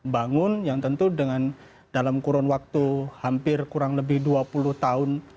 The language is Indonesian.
bangun yang tentu dengan dalam kurun waktu hampir kurang lebih dua puluh tahun